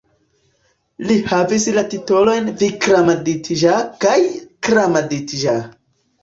Li havis la titolojn "Vikramaditĝa" kaj "Kramaditĝa".